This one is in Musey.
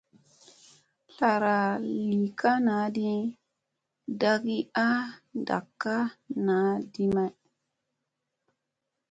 Zlara li ka naa ɗi, dagi ana ndat ka naa ɗi may.